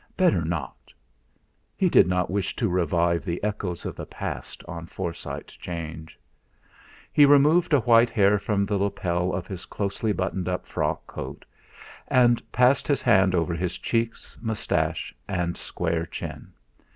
Better not! He did not wish to revive the echoes of the past on Forsyte 'Change. He removed a white hair from the lapel of his closely buttoned up frock coat, and passed his hand over his cheeks, moustache, and square chin.